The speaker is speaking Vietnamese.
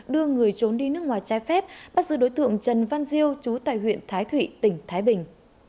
đưa người trốn đi nước ngoài trái phép bắt giữ đối tượng trần văn diêu chú tại huyện thái thụy tỉnh thái bình